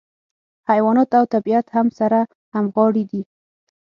حیوانات او طبیعت هم سره همغاړي دي.